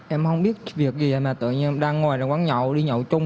em không biết việc gì mà tự nhiên đang ngồi ở quán nhậu đi nhậu chung